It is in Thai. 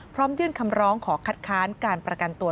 พร้อมยื่นคำร้องขอคัดค้านการประกันตัว